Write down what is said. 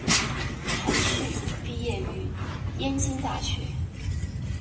韩叙毕业于燕京大学。